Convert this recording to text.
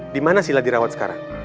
dimana sila dirawat sekarang